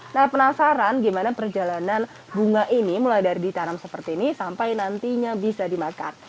nah penasaran gimana perjalanan bunga ini mulai dari ditanam seperti ini sampai nantinya bisa dimakan